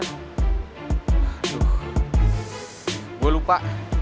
aduh gue lupa